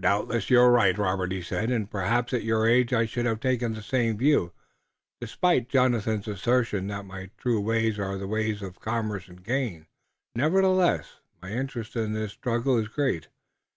"Doubtless you are right, Robert," he said, "and perhaps at your age I should have taken the same view, despite Jonathan's assertion that my true ways are the ways of commerce and gain. Nevertheless, my interest in this struggle is great.